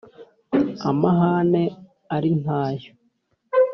amahane ali nta yo